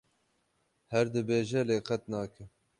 Her dibêje lê qet nake.